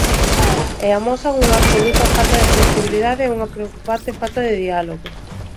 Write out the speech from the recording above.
E amosan unha absoluta falta de flexibilidade e unha preocupante falta de diálogo.